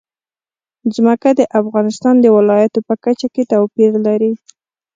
ځمکه د افغانستان د ولایاتو په کچه توپیر لري.